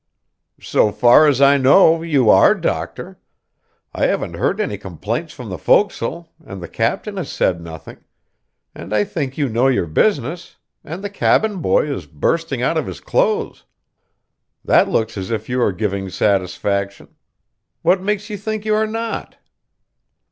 "So far as I know, you are, doctor. I haven't heard any complaints from the forecastle, and the captain has said nothing, and I think you know your business, and the cabin boy is bursting out of his clothes. That looks as if you are giving satisfaction. What makes you think you are not?"